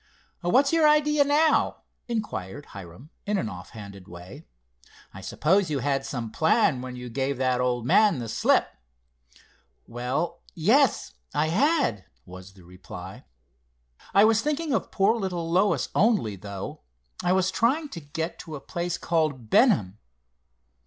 "What's your idea now?" inquired Hiram in an off handed way. "I suppose you had some plan when you gave that old man the slip?" "Well, yes, I had," was the reply. "I was thinking of poor little Lois only, though. I was trying to get to a place called Benham."